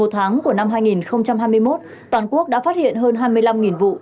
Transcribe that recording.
một tháng của năm hai nghìn hai mươi một toàn quốc đã phát hiện hơn hai mươi năm vụ